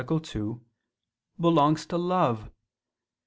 2), belongs to love.